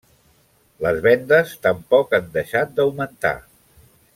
Les vendes tampoc han deixat d'augmentar.